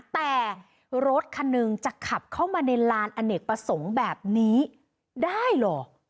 แต่รถคันหนึ่งจะขับเข้ามาในลานอเนกประสงค์แบบนี้ได้เหรอ